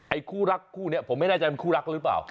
คู่รักคู่นี้ผมไม่แน่ใจเป็นคู่รักหรือเปล่า